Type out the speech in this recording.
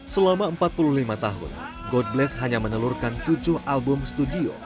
selama empat puluh lima tahun god bless hanya menelurkan tujuh album studio